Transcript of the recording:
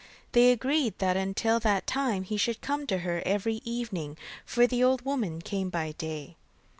They agreed that until that time he should come to her every evening, for the old woman came by day.